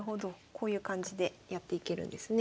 こういう感じでやっていけるんですね。